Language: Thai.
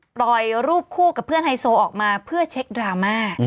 ปล่อยรูปคู่กับเพื่อนไฮโซออกมาเพื่อเช็คดราม่า